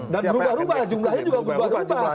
dan berubah rubah jumlahnya juga berubah rubah